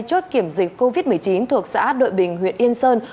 chốt kiểm dịch covid một mươi chín thuộc xã đội bình huyện yên sơn